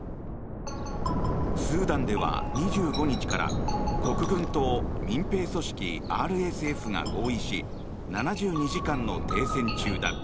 スーダンでは２５日から国軍と民兵組織ＲＳＦが合意し７２時間の停戦中だ。